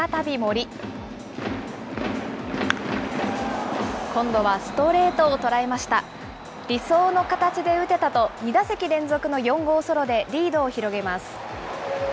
理想の形で打てたと、２打席連続の４号ソロでリードを広げます。